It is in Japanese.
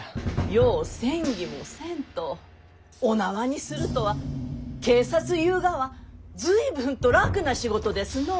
よう詮議もせんとお縄にするとは警察ゆうがは随分と楽な仕事ですのう！